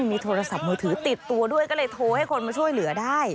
มีโทรศัพท์มือถือติดตัวด้วยก็เลยโทรให้คนมาช่วยเหลือได้